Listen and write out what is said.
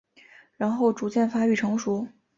然后逐渐发育成熟。